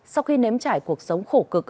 sau khi nếm trải cuộc sống khổ cực